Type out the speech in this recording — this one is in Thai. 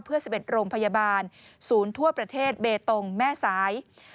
เพื่อสิบเอ็ดโรมพยาบาลสูญทั่วประเทศเบตตงแม่สาย